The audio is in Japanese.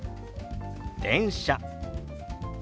「電車」。